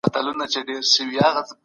دولتونه د خپلو سرحدونو ساتنه په کلکه کوي.